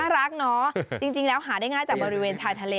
รักเนาะจริงแล้วหาได้ง่ายจากบริเวณชายทะเล